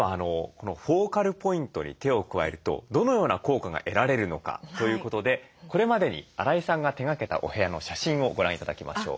このフォーカルポイントに手を加えるとどのような効果が得られるのかということでこれまでに荒井さんが手がけたお部屋の写真をご覧頂きましょう。